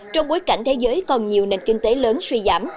trong bối cảnh thế giới còn nhiều nền kinh tế lớn suy giảm